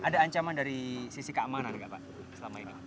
ada keamanan dari sisi keamanan enggak pak